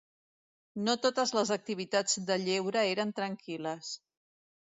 No totes les activitats de lleure eren tranquil·les.